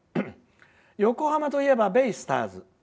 横浜といえばベイスターズ。